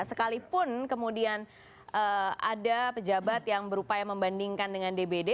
sekalipun kemudian ada pejabat yang berupaya membandingkan dengan dbd